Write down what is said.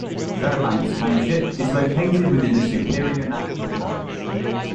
Fairbanks Township is located within the Superior National Forest.